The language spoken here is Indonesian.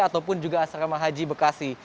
ataupun juga asrama haji bekasi